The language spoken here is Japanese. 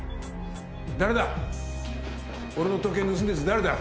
誰だ？